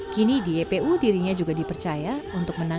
kini di ypu dirinya juga dipercaya jadi seorang akuntan